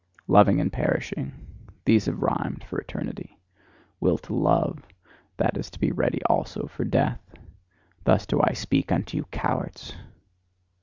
Loving and perishing: these have rhymed from eternity. Will to love: that is to be ready also for death. Thus do I speak unto you cowards!